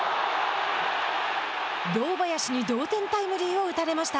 堂林に同点タイムリーを打たれました。